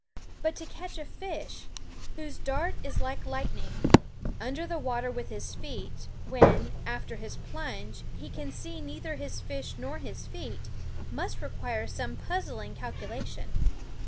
But to catch a fish whose dart is like lightning under the water with his feet, when, after his plunge, he can see neither his fish nor his feet, must require some puzzling calcula tion.